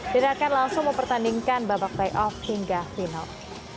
dan akan langsung mempertandingkan babak playoff hingga final